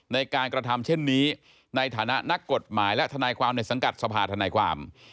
ในการกระทำเช่นนี้ในฐานะนักกฎหมายและทนายความในสังกัดสภาธนายความ